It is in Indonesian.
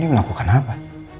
dia melakukan apa